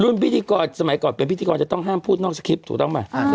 พิธีกรสมัยก่อนเป็นพิธีกรจะต้องห้ามพูดนอกสคริปต์ถูกต้องไหม